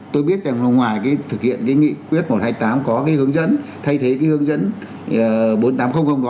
tôi biết rằng ngoài cái thực hiện cái nghị quyết một trăm hai mươi tám có cái hướng dẫn thay thế cái hướng dẫn bốn nghìn tám trăm linh